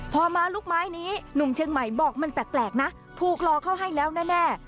พอมาลูกไม้นี้หนุ่มเชียงใหม่บอกมันแปลกนะถูกรอเข้าให้แล้วแน่